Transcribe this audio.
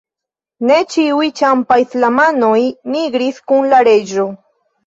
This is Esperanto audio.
Ne ĉiuj Ĉampa-islamanoj migris kun la reĝo.